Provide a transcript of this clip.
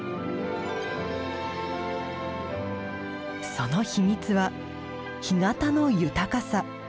その秘密は干潟の豊かさ。